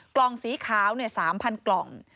กล่องสีขาว๓๐๐กล่อง